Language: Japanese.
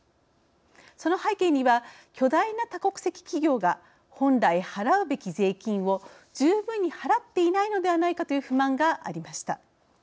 その背景には巨大な多国籍企業が本来、払うべき税金を十分に払っていないのではないかという不満がありました。